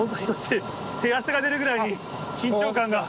手汗が出るぐらいに緊張感が。